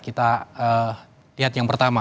kita lihat yang pertama